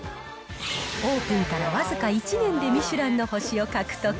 オープンから僅か１年でミシュランの星を獲得。